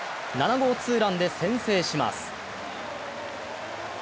７号ツーランで先制します。